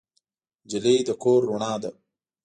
نجلۍ د کور رڼا ده.